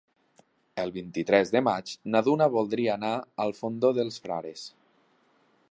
El vint-i-tres de maig na Duna voldria anar al Fondó dels Frares.